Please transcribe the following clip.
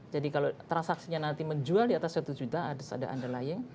kalau transaksinya nanti menjual di atas satu juta ada underlying